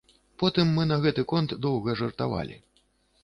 Потым мы на гэты конт доўга жартавалі.